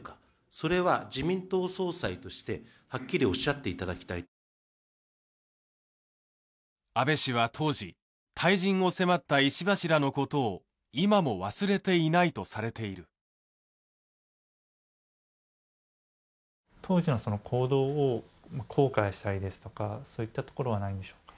それは自民党総裁としてはっきりおっしゃっていただきたい安倍氏は当時退陣を迫った石破氏らのことを今も忘れていないとされている当時のその行動を後悔したりですとかそういったところはないんでしょうか？